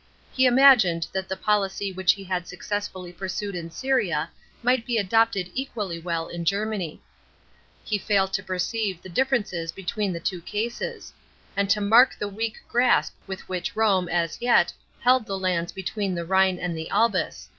He imagined that the policy which he had successfully pursued in Syria might be adopted equally well in Germany. He failed to perceive the differences between the two cases ; and to mark the weak grasp with which Rome, MS yet, held the lands between the Rhine and the A Ibis.